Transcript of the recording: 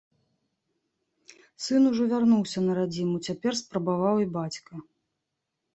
Сын ужо вярнуўся на радзіму, цяпер спрабаваў і бацька.